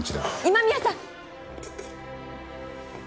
今宮さん！